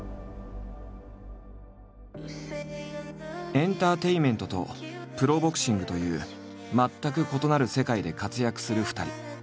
エンターテインメントとプロボクシングという全く異なる世界で活躍する２人。